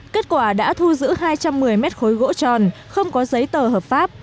kết quả đã thu giữ hai trăm một mươi mét khối gỗ tròn không có giấy tờ hợp pháp